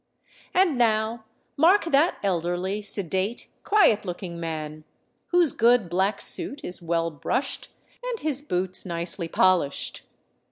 And now mark that elderly, sedate, quiet looking man, whose good black suit is well brushed and his boots nicely polished.